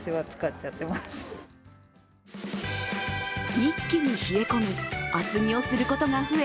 一気に冷え込み、厚着をすることが増え